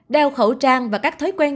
đeo khẩu trang và các thói quen